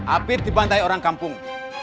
api dibantai orang kampung